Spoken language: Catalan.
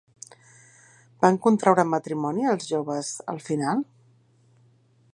Van contraure matrimoni els joves al final?